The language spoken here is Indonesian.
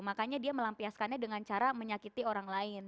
makanya dia melampiaskannya dengan cara menyakiti orang lain